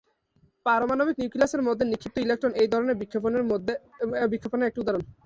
পারমাণবিক নিউক্লিয়াসের মধ্য নিক্ষিপ্ত ইলেকট্রন এই ধরনের বিক্ষেপণের একটি উদাহরণ।